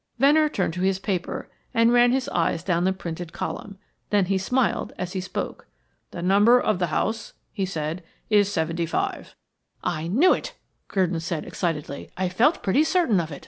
Venner turned to his paper, and ran his eye down the printed column. Then he smiled as he spoke. "The number of the house," he said, "is 75." "I knew it," Gurdon said excitedly. "I felt pretty certain of it.